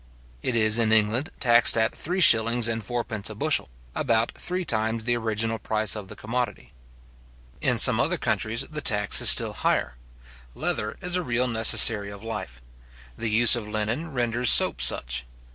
It is in England taxed at three shillings and fourpence a bushel; about three times the original price of the commodity. In some other countries, the tax is still higher. Leather is a real necessary of life. The use of linen renders soap such.